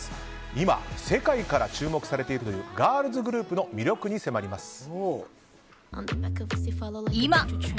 今、世界から注目されているガールズグループの魅力に迫ります。